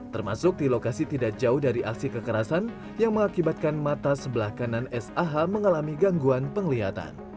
termasuk di lokasi tidak jauh dari aksi kekerasan yang mengakibatkan mata sebelah kanan sah mengalami gangguan penglihatan